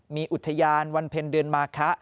มีอุทยานวันเพ็ญเดือนมาคะ